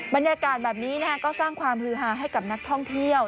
บรรยากาศแบบนี้ก็สร้างความฮือฮาให้กับนักท่องเที่ยว